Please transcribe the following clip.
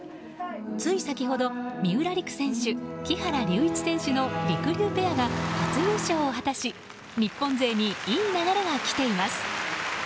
つい先ほど三浦璃来選手、木原龍一選手のりくりゅうペアが初優勝を果たし日本勢にいい流れが来ています。